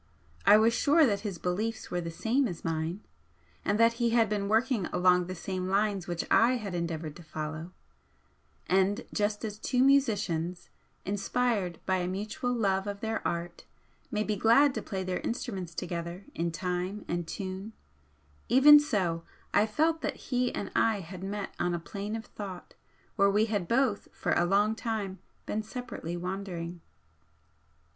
I was sure that his beliefs were the same as mine, and that he had been working along the same lines which I had endeavoured to follow; and just as two musicians, inspired by a mutual love of their art, may be glad to play their instruments together in time and tune, even so I felt that he and I had met on a plane of thought where we had both for a long time been separately wandering.